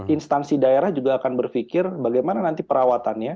instansi daerah juga akan berpikir bagaimana nanti perawatannya